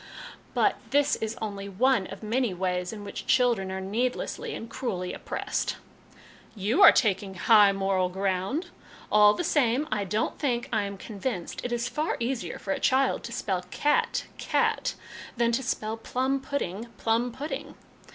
' But this is only one of many ways in which children are needlessly and cruelly oppressed !"" You are taking high moral ground ! All the 210 HOME EDUCATION same, I don't think I am convinced. It is far easier for a child to spell cat, cat, than to spell plum pudding, plum pudding."